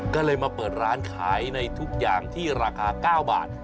ก็เลยมาเปิดร้านขายในทุกอย่างที่ราคา๙บาท